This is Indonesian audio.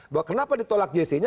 bahwa kenapa ditolak jc nya